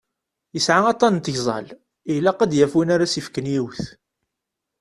Yesɛa aṭṭan n tgeẓẓal, ilaq ad d-yaf win ara s-yefken yiwet.